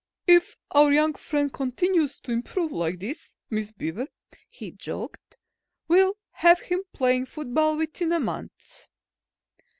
"If our young friend continues to improve like this, Miss Beaver," he joked, "we'll have him playing football within a month."